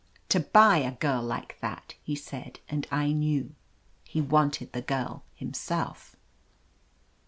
"To buy a girl like that I" he said — ^and I knew. He wanted the girl himself.